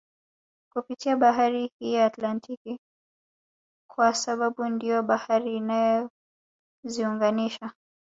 Kupitia bahari hii ya Atlantiki kwa sababu ndiyo bahari inayoziunganisha